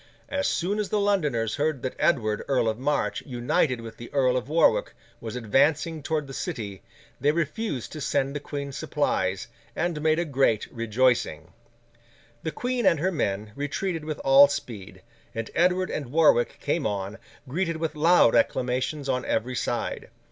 As soon as the Londoners heard that Edward, Earl of March, united with the Earl of Warwick, was advancing towards the city, they refused to send the Queen supplies, and made a great rejoicing. The Queen and her men retreated with all speed, and Edward and Warwick came on, greeted with loud acclamations on every side.